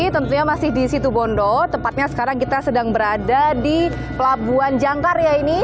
tentunya masih di situ bondo tepatnya sekarang kita sedang berada di pelabuhan jangkar ya ini